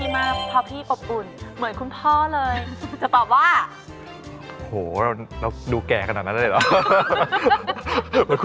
ไม่ต้องเป็นแฟนหรอก